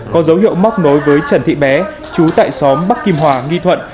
có dấu hiệu móc nối với trần thị bé chú tại xóm bắc kim hòa nghi thuận